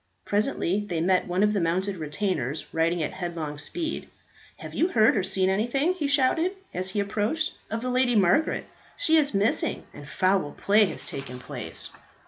Presently they met one of the mounted retainers riding at headlong speed. "Have you heard or seen anything," he shouted, as he approached, "of the Lady Margaret? She is missing, and foul play has taken place."